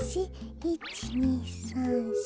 １２３４。